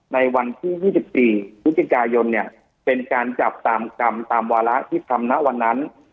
ในวันที่๒๔พฤศจิกายนเนี่ยเป็นการจับตามกรรมตามวาระที่ทำนะวันนั้น